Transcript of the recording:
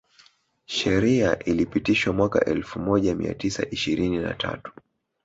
Sheria ilipitishwa mwaka elfu moja mia tisa ishirini na tatu